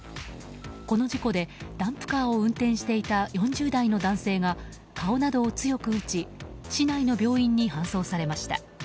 この事故でダンプカーを運転していた４０代の男性が顔などを強く打ち市内の病院に搬送されました。